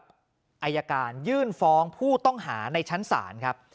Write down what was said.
อายการยื่นฟ้องผู้ต้องหาในชั้นศาลครับ